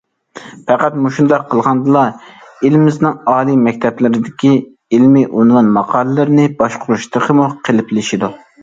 پەقەت مۇشۇنداق قىلغاندىلا، ئېلىمىزنىڭ ئالىي مەكتەپلىرىدىكى ئىلمىي ئۇنۋان ماقالىلىرىنى باشقۇرۇش تېخىمۇ قېلىپلىشىدۇ.